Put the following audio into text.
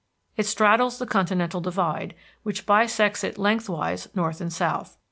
It straddles the continental divide, which bisects it lengthwise, north and south.